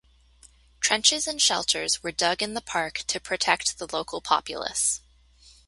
Trenches and shelters were dug in the park to protect the local populace.